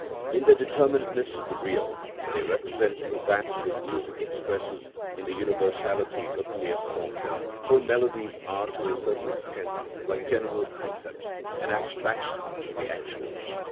In the determinateness of the real, they represent that which music expresses in the universality of mere form. For melodies are to a certain extent, like general concepts, an abstraction from the actual.